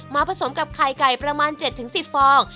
ผสมกับไข่ไก่ประมาณ๗๑๐ฟอง